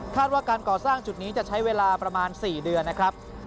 ว่าการก่อสร้างจุดนี้จะใช้เวลาประมาณ๔เดือนนะครับ